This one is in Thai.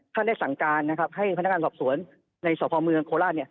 ท่านได้สั่งการนะครับให้พนักงานสอบสวนในสอบภอมเมืองโคลาเนี่ย